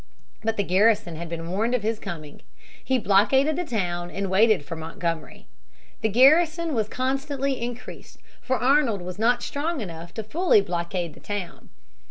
But the garrison had been warned of his coming. He blockaded the town and waited for Montgomery. The garrison was constantly increased, for Arnold was not strong enough fully to blockade the town.